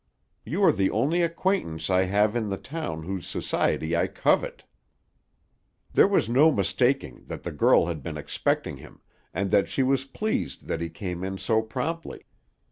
You are the only acquaintance I have in the town whose society I covet." There was no mistaking that the girl had been expecting him, and that she was pleased that he came in so promptly.